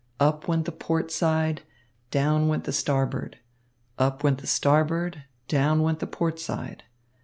Up went the port side, down went the starboard. Up went the starboard, down went the port side.